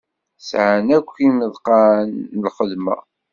Sɛan akk imeḍqan n lxedma.